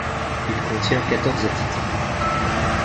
Il contient quatorze titres.